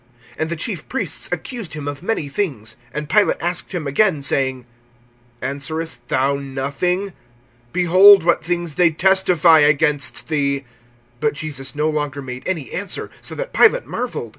(3)And the chief priests accused him of many things. (4)And Pilate asked him again, saying: Answerest thou nothing? Behold what things they testify against thee. (5)But Jesus no longer made any answer; so that Pilate marveled.